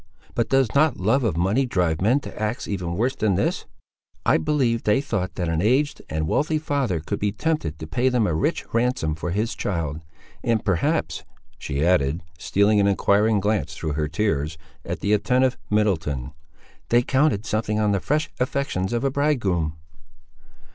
But does not love of money drive men to acts even worse than this? I believe they thought that an aged and wealthy father could be tempted to pay them a rich ransom for his child; and, perhaps," she added, stealing an enquiring glance through her tears, at the attentive Middleton, "they counted something on the fresh affections of a bridegroom."